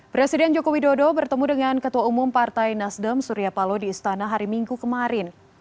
presiden jokowi dodo bertemu dengan ketua umum partai nasdem surya palo di istana hari minggu kemarin